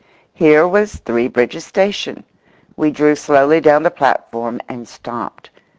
Here was Three Bridges station. We drew slowly down the platform and stopped.